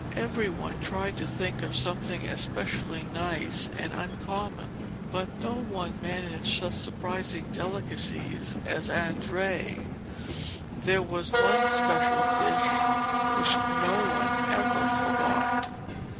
Every one tried to think of something especially nice and uncommon, but no one managed such surprising delicacies as Andrea. There was one special dish which no one ever forgot.